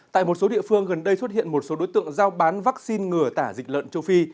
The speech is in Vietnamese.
tại một số địa phương gần đây xuất hiện một số đối tượng giao bán vaccine ngừa tả dịch lợn châu phi